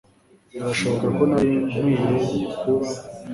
birashoboka ko nari nkwiye kuba